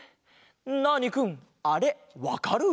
ナーニくんあれわかる？